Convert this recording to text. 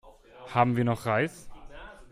Haben wir noch Reis?